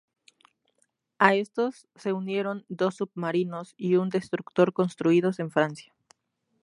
A estos se unieron dos submarinos y un destructor construidos en Francia.